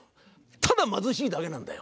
ただ貧しいだけなんだよ。